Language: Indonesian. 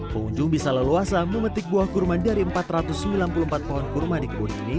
pengunjung bisa leluasa memetik buah kurma dari empat ratus sembilan puluh empat pohon kurma di kebun ini